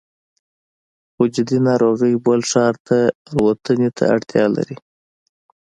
خو جدي ناروغۍ بل ښار ته الوتنې ته اړتیا لري